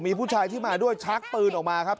มีผู้ชายที่มาด้วยชักปืนออกมาครับ